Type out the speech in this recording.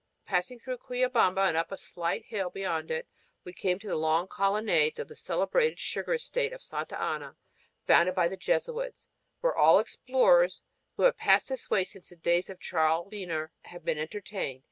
Passing through Quillabamba and up a slight hill beyond it, we came to the long colonnades of the celebrated sugar estate of Santa Ana founded by the Jesuits, where all explorers who have passed this way since the days of Charles Wiener have been entertained.